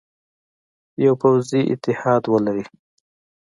یوه پوځي اتحاد ولري.